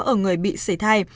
ở người bị sởi thai